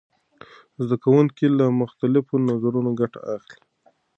زده کوونکي له مختلفو نظرونو ګټه اخلي.